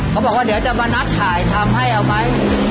เขาบอกว่าเดี๋ยวจะมานัดถ่ายทำให้เอาไหม